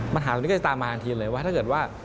ปัญหาตรงนี้ก็จะตามมาทันทีเลยว่าถ้าเกิดว่า